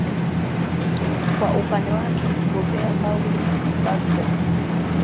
kwa upande wake mgombea lauren bagbo